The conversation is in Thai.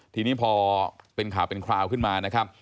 ทีนี้พอเป็นข่าวเป็นคราวขึ้นมานะครับ